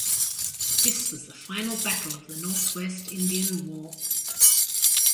This was the final battle of the Northwest Indian War.